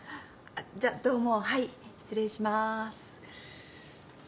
じゃどうもはい失礼しまーす。